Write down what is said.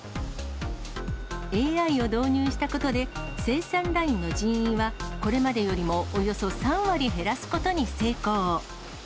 ＡＩを導入したことで、生産ラインの人員はこれまでよりもおよそ３割減らすことに成功。